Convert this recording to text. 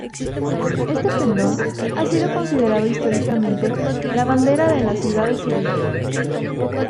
Este pendón ha sido considerado históricamente la bandera de la ciudad de Sevilla.